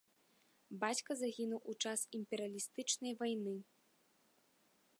Бацька загінуў у час імперыялістычнай вайны.